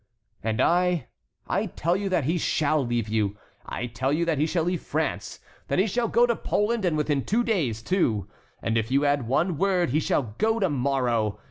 "And I, I tell you that he shall leave you. I tell you that he shall leave France, that he shall go to Poland, and within two days, too, and if you add one word he shall go to morrow.